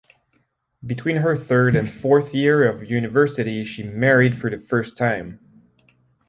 Between her third and fourth year of university she married for the first time.